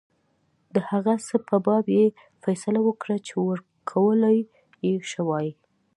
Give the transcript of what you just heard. د هغه څه په باب یې فیصله وکړه چې ورکولای یې شوای.